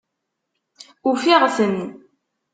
Ufiɣ-ten!